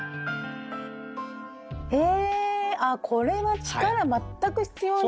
へえあこれは力全く必要ない！